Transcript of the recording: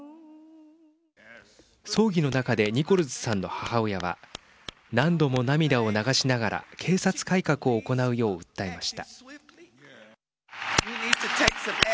葬儀の中でニコルズさんの母親は何度も涙を流しながら警察改革を行うよう訴えました。